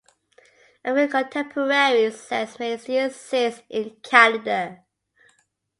A few contemporary sects may still exist in Canada.